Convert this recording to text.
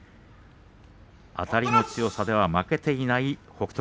あたりの強さでは負けていない北勝